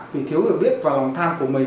vì thiếu người biết và lòng tham của mình